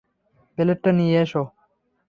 প্লেটটা নিয়ে এসো।